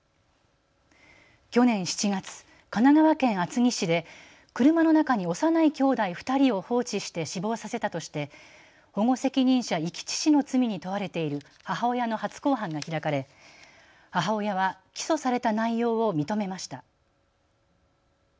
去年７月、神奈川県厚木市で車の中に幼いきょうだい２人を放置して死亡させたとして保護責任者遺棄致死の罪に問われている母親の初公判が開かれ母親は起訴された内容を認めました。